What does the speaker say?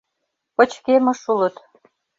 ПЫЧКЕМЫШ УЛЫТ